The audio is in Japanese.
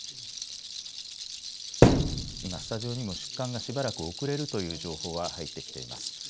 今、スタジオにも出棺がしばらく遅れるという情報が入ってきています。